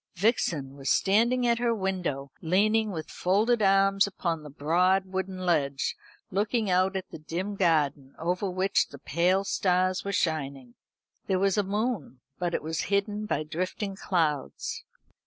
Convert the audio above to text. Vixen was standing at her window, leaning with folded arms upon the broad wooden ledge, looking out at the dim garden, over which the pale stars were shining. There was a moon, but it was hidden by drifting clouds.